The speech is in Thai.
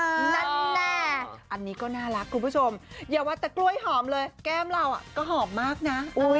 นั่นแหละอันนี้ก็น่ารักคุณผู้ชมอย่าว่าแต่กล้วยหอมเลยแก้มเราก็หอมมากนะ